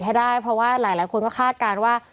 ให้ได้เพราะว่าหลายคนก็คาดการณ์ว่า